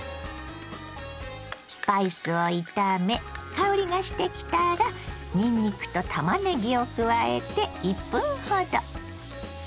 スパイスを炒め香りがしてきたらにんにくとたまねぎを加えて１分ほど。